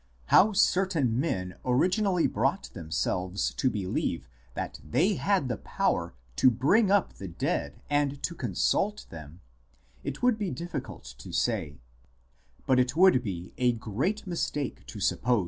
How certain men originally brought themselves to believe that they had the power to bring up the dead and to consult them, it would be difficult to say ; but it would be a great mistake to suppose 1 Daa Leben nach dem Tode, pp.